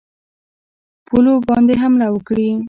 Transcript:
پولو باندي حمله وکړي.